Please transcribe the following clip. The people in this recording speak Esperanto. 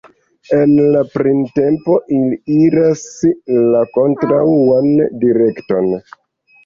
En printempo ili iras la kontraŭan direkton.